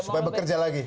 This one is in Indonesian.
supaya bekerja lagi